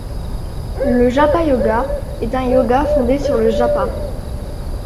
Le Japa-Yoga est un yoga fondé sur le japa.